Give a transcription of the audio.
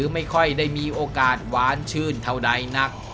ไม่ค่อยได้มีโอกาสหวานชื่นเท่าใดนัก